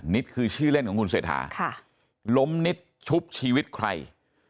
คือชื่อเล่นของคุณเศรษฐาล้มนิดชุบชีวิตใคร